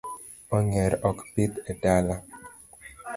Ong'er ok pidhi e dala.